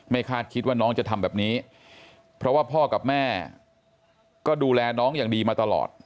คาดคิดว่าน้องจะทำแบบนี้เพราะว่าพ่อกับแม่ก็ดูแลน้องอย่างดีมาตลอด